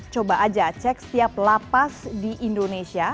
coba aja cek setiap lapas di indonesia